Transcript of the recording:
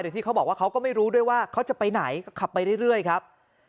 ที่เขาบอกว่าเขาก็ไม่รู้ด้วยว่าเขาจะไปไหนก็ขับไปเรื่อยครับ